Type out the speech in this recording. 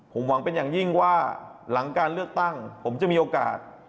ผมหวังเป็นอย่างยิ่งว่าหลังการเลือกตั้งผมจะมีโอกาส